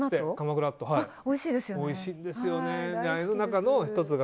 おいしいですよね。